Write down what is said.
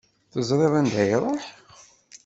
Teẓriḍ anda iruḥ?